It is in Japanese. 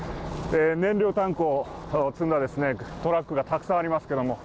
燃料タンクを積んだトラックがたくさんあります。